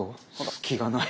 隙がない。